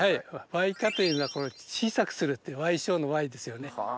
矮化というのは小さくするって矮小の「矮」ですよね。